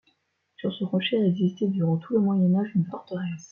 Sur ce rocher a existé durant tout le Moyen Âge une forteresse.